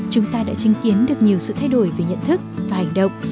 chúng ta đã chứng kiến được nhiều sự thay đổi về nhận thức và hành động